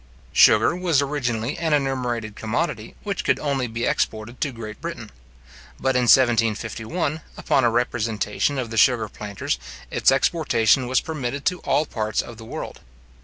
Sugar was originally an enumerated commodity, which could only be exported to Great Britain; but in 1751, upon a representation of the sugar planters, its exportation was permitted to all parts of the world.